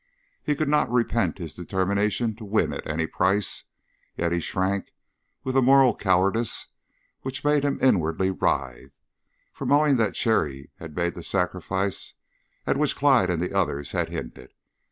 He could not repent his determination to win at any price; yet he shrank, with a moral cowardice which made him inwardly writhe, from owning that Cherry had made the sacrifice at which Clyde and the others had hinted.